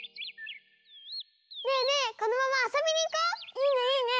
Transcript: いいねいいね！